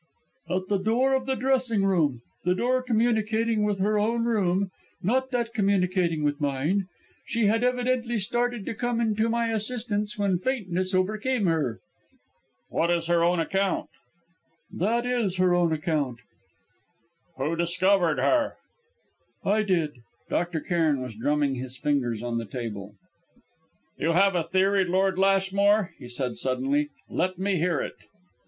"At the door of the dressing room the door communicating with her own room, not that communicating with mine. She had evidently started to come to my assistance when faintness overcame her." "What is her own account?" "That is her own account." "Who discovered her?" "I did." Dr. Cairn was drumming his fingers on the table. "You have a theory, Lord Lashmore," he said suddenly. "Let me hear it."